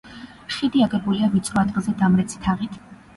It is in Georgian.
ხიდი აგებულია ვიწრო ადგილზე დამრეცი თაღით.